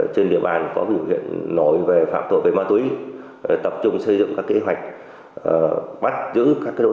trên địa bàn có biểu hiện nổi về phạm tội về ma túy tập trung xây dựng các kế hoạch bắt giữ các đối tượng